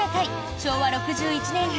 昭和６１年編。